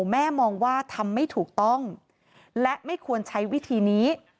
แม่มองว่าทำไม่ถูกต้องและไม่ควรใช้วิธีนี้